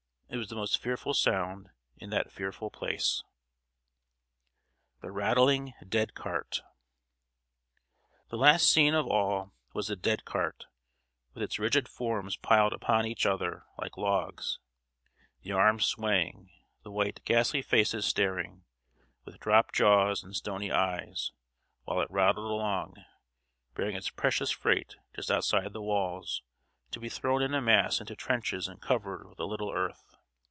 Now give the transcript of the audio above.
It was the most fearful sound in that fearful place. [Sidenote: THE RATTLING DEAD CART.] The last scene of all was the dead cart, with its rigid forms piled upon each other like logs the arms swaying, the white ghastly faces staring, with dropped jaws and stony eyes while it rattled along, bearing its precious freight just outside the walls, to be thrown in a mass into trenches and covered with a little earth.